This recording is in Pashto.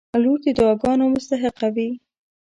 • لور د دعاګانو مستحقه وي.